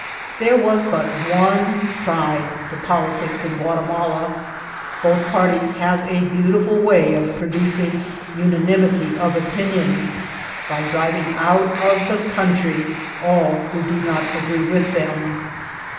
There was but one side to politics in Guatimaku Both parties have a beautiful way of producing unanim ity of opinion, by driving out of the country all who do not agree with them.